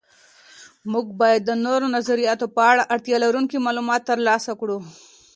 موږ باید د نورو نظریاتو په اړه اړتیا لرونکي معلومات تر لاسه کړو.